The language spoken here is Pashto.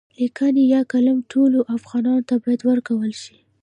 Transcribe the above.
لیکانی يا قلم ټولو افغانانو ته باید ورکړل شي.